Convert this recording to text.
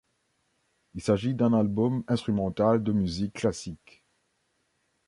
Il s'agit d'un album instrumental de musique classique.